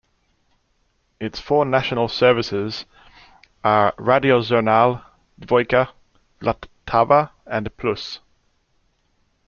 Its four national services are Radiožurnál, Dvojka, Vltava and Plus.